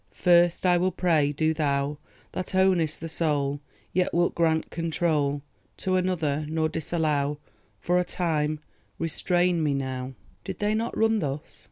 First, I will pray. Do Thou That ownest the soul, Yet wilt grant control To another, nor disallow For a time, restrain me now!" Did they not run thus?